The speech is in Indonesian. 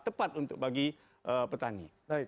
tepat untuk bagi petani